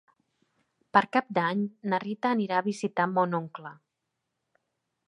Per Cap d'Any na Rita anirà a visitar mon oncle.